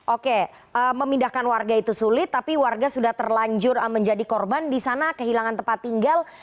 oke memindahkan warga itu sulit tapi warga sudah terlanjur menjadi korban di sana kehilangan tempat tinggal